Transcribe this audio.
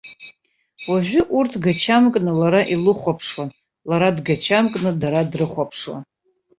Уажәы урҭ гачамкны лара илыхәаԥшуан, лара дгачамкны дара дрыхәаԥшуан.